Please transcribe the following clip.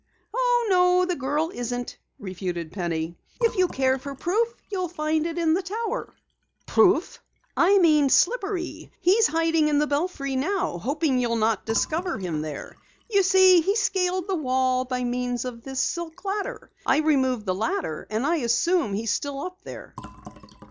"Oh, no, the girl isn't," refuted Penny. "If you care for proof you'll find it in the tower." "Proof?" "I mean Slippery. He's hiding in the belfry now, hoping you'll not discover him there. You see, he scaled the wall by means of this silk ladder. I removed the ladder, and I assume he's still up there."